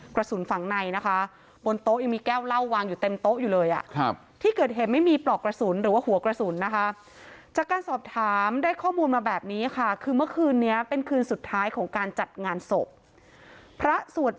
กระสุนฝั่งในนะคะบนโต๊ะยังมีแก้วเหล้าวางอยู่เต็มโต๊ะอยู่เลยล่ะ